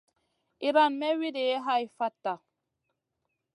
Iran may wuidi hai fatta.